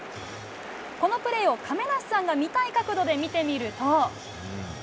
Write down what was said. このプレーを亀梨さんが見たい角度で見てみると。